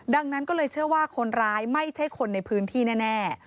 ดังนั้นก็เลยเชื่อว่าคนร้ายไม่ใช่คนในพื้นที่แน่